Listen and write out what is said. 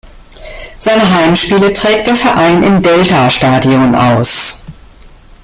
Seine Heimspiele trägt der Verein im Delta Stadion aus.